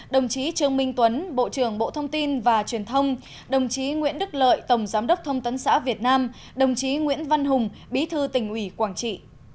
đồng chí trương minh tuấn bộ trưởng bộ thông tin và truyền thông đồng chí nguyễn đức lợi tổng giám đốc thông tấn xã việt nam đồng chí nguyễn văn hùng bí thư tỉnh ủy quảng trị